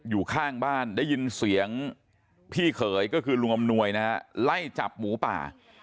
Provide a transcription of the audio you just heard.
อยู่ข้างบ้านได้ยินเสียงพี่เขยก็คือลุงอำนวยนะฮะไล่จับหมูป่า